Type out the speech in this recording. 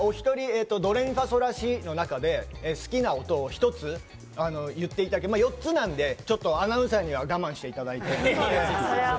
「ドレミファソラシ」の中で好きな音を１つ言っていただいて、４つなんでアナウンサーには我慢していただいて。